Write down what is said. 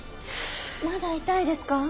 まだ痛いですか？